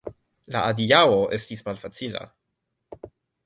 La adiaŭo estis malfacila.